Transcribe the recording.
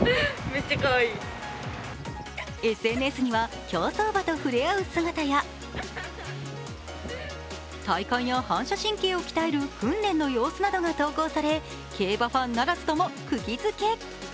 ＳＮＳには競走馬とふれあう姿や体幹や反射神経を鍛える訓練の様子などが投稿され競馬ファンならずともくぎ付け。